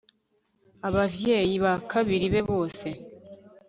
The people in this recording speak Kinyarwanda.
abavyeyi bakabiri be bose